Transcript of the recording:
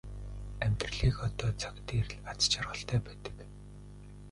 Амьдрал яг одоо цаг дээр л аз жаргалтай байдаг.